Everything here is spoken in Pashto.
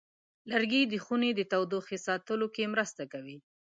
لرګی د خونې تودوخې ساتلو کې مرسته کوي.